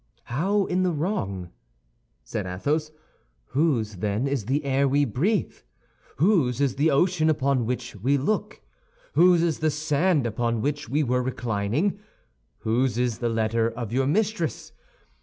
"How, in the wrong?" said Athos. "Whose, then, is the air we breathe? Whose is the ocean upon which we look? Whose is the sand upon which we were reclining? Whose is that letter of your mistress?